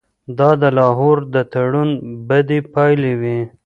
دا د لاهور د تړون بدې پایلې وې.